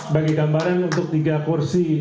bagi gambaran untuk tiga porsi